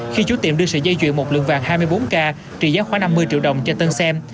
khi chủ tiệm đưa sợi dây chuyền một lượng vàng hai mươi bốn k trị giá khoảng năm mươi triệu đồng cho tân xem